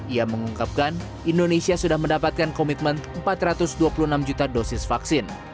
ia mengungkapkan indonesia sudah mendapatkan komitmen empat ratus dua puluh enam juta dosis vaksin